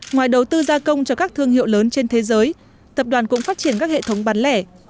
ngoài đầu tư gia công cho các thương hiệu lớn trên thế giới tập đoàn cũng phát triển các hệ thống bán lẻ